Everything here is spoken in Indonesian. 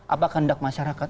apakah hendak masyarakat